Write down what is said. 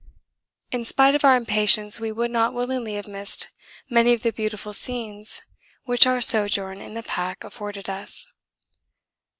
In spite of our impatience we would not willingly have missed many of the beautiful scenes which our sojourn in the pack afforded us.